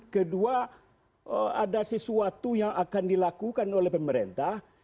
kedua ada sesuatu yang akan dilakukan oleh pemerintah